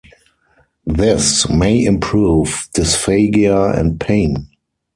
This may improve dysphagia and pain.